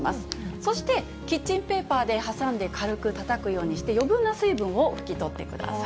そして、キッチンペーパーで挟んで軽くたたくようにして、余分な水分を拭き取ってください。